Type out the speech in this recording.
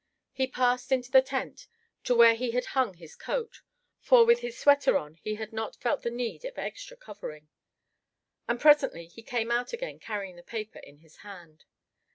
He passed into the tent, to where he had hung his coat; for with his sweater on he had not felt the need of extra covering. And presently he came out again, carrying the paper in his hand.